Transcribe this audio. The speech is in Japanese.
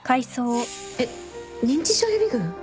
えっ認知症予備軍？